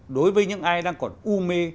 đối với những ai đang còn u mê